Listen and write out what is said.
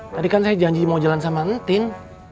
tadi kan saya janji mau jalan sama entin